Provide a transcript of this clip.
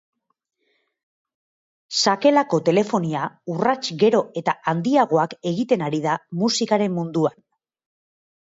Sakelako telefonia urrats gero eta handiagoak egiten ari da musikaren munduan.